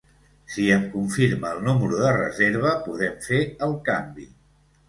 Si em confirma el número de reserva podem fer el canvi.